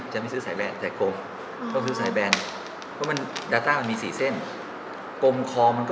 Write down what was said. เช่นกลมคอมันก็จุ๊กมันหาง่าย